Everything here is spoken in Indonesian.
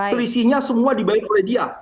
selisihnya semua di baik oleh dia